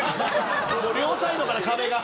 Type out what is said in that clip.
両サイドから壁が。